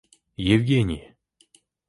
Евгений